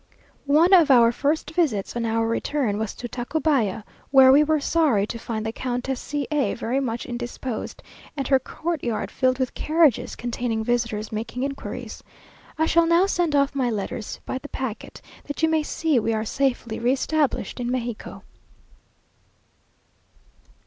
One of our first visits on our return was to Tacubaya, where we were sorry to find the Countess C a very much indisposed, and her courtyard filled with carriages, containing visitors making inquiries. I shall now send off my letters by the packet, that you may see we are safely re established in Mexico.